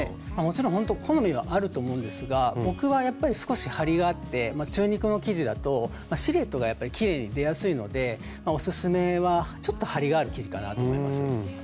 もちろんほんと好みがあると思うんですが僕はやっぱり少し張りがあって中肉の生地だとシルエットがやっぱりきれいに出やすいのでおすすめはちょっと張りがある生地かなと思います。